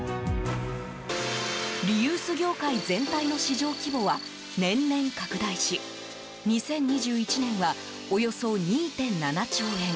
リユース業界全体の市場規模は年々拡大し２０２１年はおよそ２．７兆円。